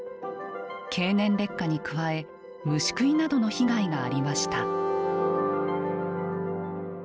経年劣化に加え虫食いなどの被害がありました。